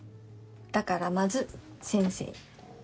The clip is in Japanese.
だからまず先生に。